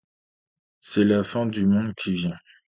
C’est la fin du monde qui vient.